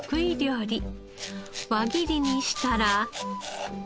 輪切りにしたら。